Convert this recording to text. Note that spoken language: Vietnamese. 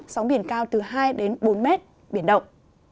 sóng biển cao từ hai đến bốn mét biển động